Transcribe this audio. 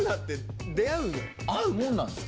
会うもんなんですか？